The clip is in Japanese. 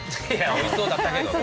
おいしそうだったね。